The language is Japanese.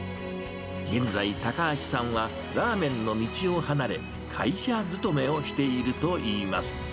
現在、高橋さんはラーメンの道を離れ、会社勤めをしているといいます。